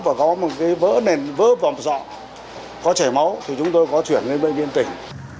và có một cái vỡ nền vớ vọng sọ có chảy máu thì chúng tôi có chuyển lên bệnh viện tỉnh